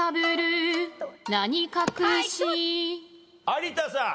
有田さん。